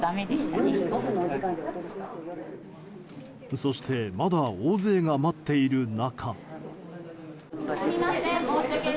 そしてまだ大勢が待っている中。